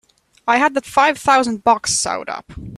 I had that five thousand bucks sewed up!